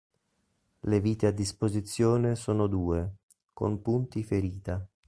Le vite a disposizione sono due, con punti ferita.